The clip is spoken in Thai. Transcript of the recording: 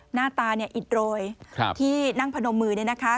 หน้าตาเนี่ยอิดโรยที่นั่งพนมมือเนี่ยนะคะ